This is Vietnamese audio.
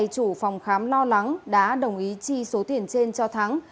chủ phòng khám lo lắng đã đồng ý chi số tiền trên cho thắng